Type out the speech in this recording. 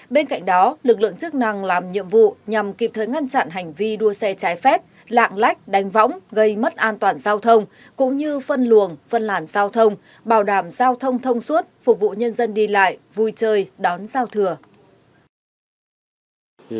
bên cạnh đó lực lượng chức năng làm nhiệm vụ nhằm kịp thời ngăn chặn hành vi đua xe trái phép lạng lách đánh võng gây mất an toàn giao thông cũng như phân luồng phân làn giao thông bảo đảm giao thông thông suốt phục vụ nhân dân đi lại vui chơi đón giao thừa